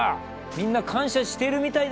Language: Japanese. みんな感謝しているみたいだぞ！